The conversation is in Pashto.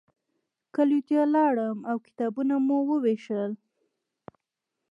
کلیو ته لاړم او کتابونه مې ووېشل.